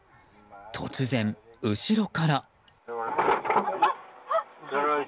突然、後ろから。